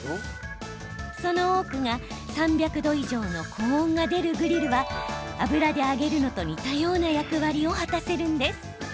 その多くが３００度以上の高温が出るグリルは油で揚げるのと似たような役割を果たせるんです。